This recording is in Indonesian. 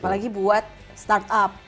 apalagi buat startup